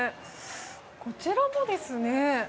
こちらもですね。